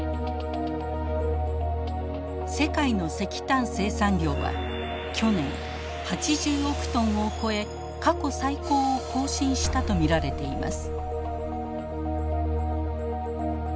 世界の石炭生産量は去年８０億トンを超え過去最高を更新したと見られています。